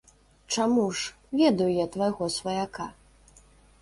Чаму ж, ведаю я твайго сваяка.